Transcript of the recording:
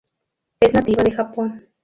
Es nativa de Japón.